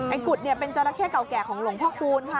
ไอ้กุฏเป็นจอราเข้เก่าของหลวงพ่อขูลค่ะ